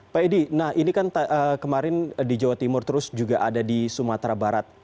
pak edi nah ini kan kemarin di jawa timur terus juga ada di sumatera barat